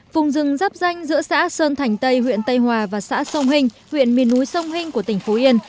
vùng rừng rắp danh giữa xã sơn thành tây huyện tây hòa và xã sông hình huyện miền núi sông hinh của tỉnh phú yên